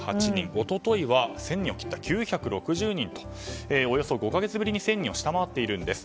一昨日は１０００人を切って９６０人とおよそ５か月ぶりに１０００人を下回っているんです。